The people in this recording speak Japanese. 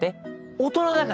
大人だから。